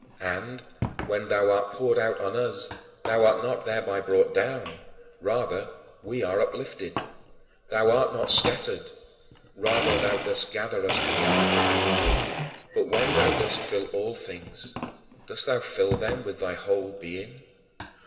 And, when thou art poured out on us, thou art not thereby brought down; rather, we are uplifted. Thou art not scattered; rather, thou dost gather us together. But when thou dost fill all things, dost thou fill them with thy whole being?